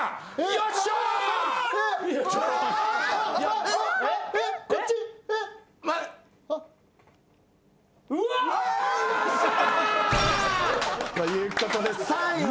よっしゃ！ということで３位は。